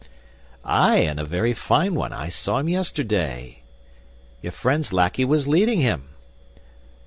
'Ay, and a very fine one! I saw him yesterday; your friend's lackey was leading him.